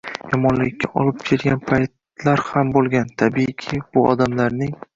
yomonlikka olib kelgan paytlar ham bo‘lgan. Tabiiy-ki, bu odamlarning